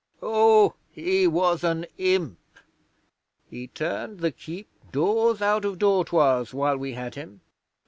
Oh, he was an imp! He turned the keep doors out of dortoirs while we had him.